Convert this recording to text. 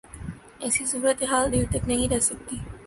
ایسی صورتحال دیر تک نہیں رہ سکتی۔